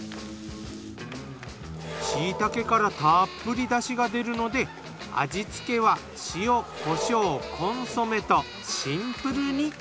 椎茸からたっぷりだしが出るので味付けは塩・コショウコンソメとシンプルに。